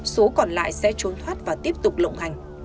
số còn lại sẽ trốn thoát và tiếp tục lộng hành